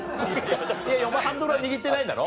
いやいやお前ハンドルは握ってないんだろ？